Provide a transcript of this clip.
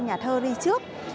nhà thơ đi trước